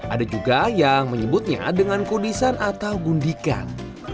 ada juga yang menyebutnya dengan kudisan atau gundikan